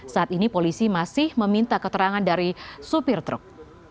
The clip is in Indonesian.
saat ini polisi masih meminta keterangan dari supir truk